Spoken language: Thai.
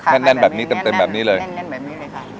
แน่นแน่นแบบนี้แน่นแน่นแบบนี้เลยแน่นแน่นแบบนี้เลยค่ะ